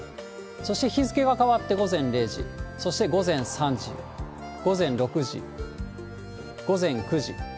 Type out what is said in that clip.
そして日付が変わって午前０時、そして午前３時、午前６時、午前９時。